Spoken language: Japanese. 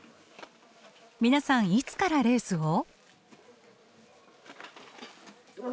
皆さんいつからレースを？